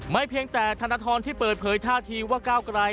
เพียงแต่ธนทรที่เปิดเผยท่าทีว่าก้าวไกล